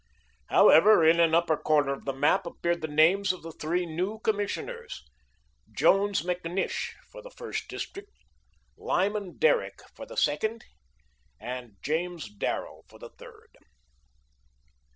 However, in an upper corner of the map appeared the names of the three new commissioners: Jones McNish for the first district, Lyman Derrick for the second, and James Darrell for the third.